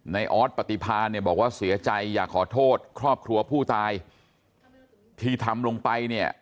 ออสปฏิพาเนี่ยบอกว่าเสียใจอยากขอโทษครอบครัวผู้ตายที่ทำลงไปเนี่ย